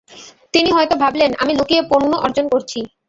তিনি হয়তো ভাবলেন, আমি লুকিয়ে পুণ্য অর্জন করছি।